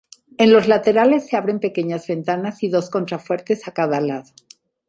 En los laterales se abren pequeñas ventanas y dos contrafuertes a cada lado.